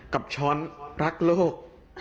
กับช้อนรักโลก